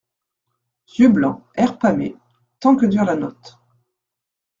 Yeux blancs, airs pâmés, tant que dure la note.